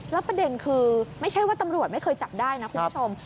แล้วประเด็นคือไม่ใช่ว่าตำรวจไม่เคยจับได้นะคุณผู้ชม